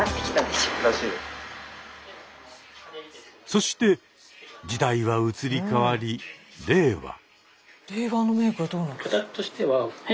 そして時代は移り変わり令和。